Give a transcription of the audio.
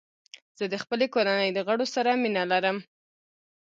زه د خپلې کورنۍ د غړو سره مینه لرم.